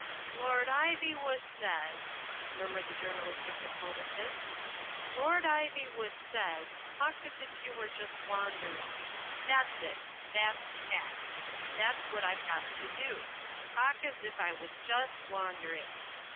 "Lord Ivywoo' says," murmured the journalistic diplomatist. "Lord Iv3rwoo' says, 'talk as if you were just wandering.' That's it. That's tact. That's what I've got to do— talk as if I was just wandering.